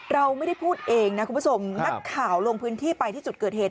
เราไม่ได้พูดเองนะคุณผู้ชมนักข่าวลงพื้นที่ไปที่จุดเกิดเหตุ